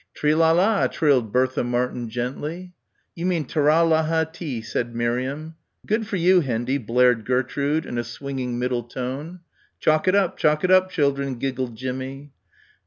"Tre la la," trilled Bertha Martin gently. "You mean Turrah lahee tee," said Miriam. "Good for you, Hendy," blared Gertrude, in a swinging middle tone. "Chalk it up. Chalk it up, children," giggled Jimmie.